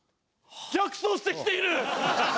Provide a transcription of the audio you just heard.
逆走してきている！